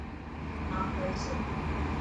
ماف ڪري ڇڏ.